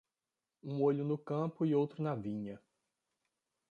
Um olho no campo e outro na vinha.